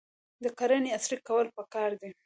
د کرنې عصري کول پکار دي.